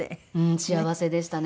幸せでしたね